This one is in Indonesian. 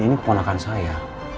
andin ini keponakan saya